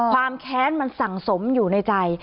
แค้นมันสั่งสมอยู่ในใจ